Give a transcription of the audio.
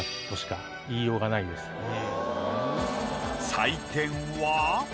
採点は？